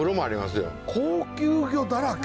高級魚だらけ。